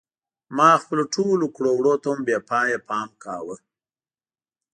ما خپلو ټولو کړو وړو ته هم بې پایه پام کاوه.